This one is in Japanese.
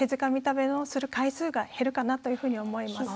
食べをする回数が減るかなというふうに思います。